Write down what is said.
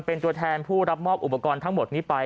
เป็นตัวแทนผู้รับมอบอุปกรณ์ทั้งหมดนี้ไป